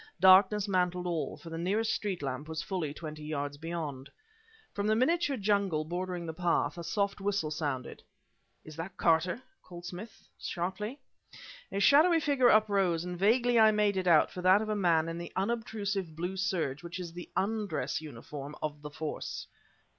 Darkness mantled all; for the nearest street lamp was fully twenty yards beyond. From the miniature jungle bordering the path, a soft whistle sounded. "Is that Carter?" called Smith, sharply. A shadowy figure uprose, and vaguely I made it out for that of a man in the unobtrusive blue serge which is the undress uniform of the Force.